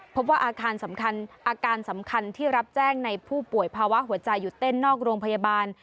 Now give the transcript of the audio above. พบว่าอาการสำคัญอาการสำคัญที่รับแจ้งในผู้ป่วยภาวะหัวใจหยุดเต้นนอกโรงพยาบาล